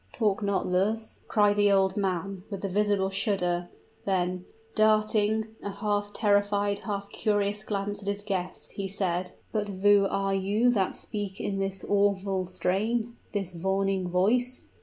"Talk not thus!" cried the old man, with a visible shudder; then darting a half terrified, half curious glance at his guest, he said, "but who are you that speak in this awful strain this warning voice?"